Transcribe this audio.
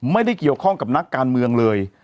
ไม่ได้เกี่ยวข้องกับนักการเมืองเลย